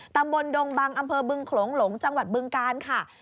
ตำบลดงบังอำเภอบึงโขลงหลงจังหวัดบึงกาลค่ะ